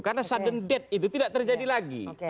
karena sudden death itu tidak terjadi lagi